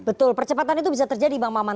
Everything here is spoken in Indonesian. betul percepatan itu bisa terjadi bang maman